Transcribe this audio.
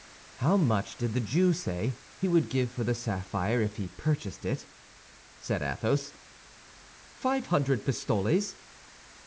"How much did the Jew say he would give for the sapphire if he purchased it?" said Athos. "Five hundred pistoles."